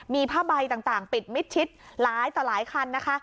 มีผ้าใบต่างปิดมิดชิดหลายต่อหลายคันนะคะ